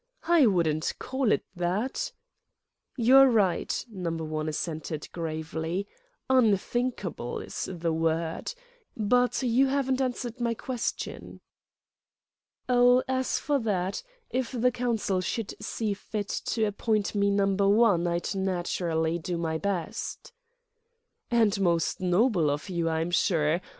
"I wouldn't call it that." "You are right," Number One assented, gravely: "unthinkable is the word. But you haven't answered my question." "Oh, as for that, if the Council should see fit to appoint me Number One, I'd naturally do my best." "And most noble of you, I'm sure.